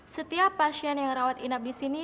setiap pasien yang rawat inap di sini